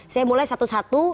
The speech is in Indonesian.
saya mulai satu satu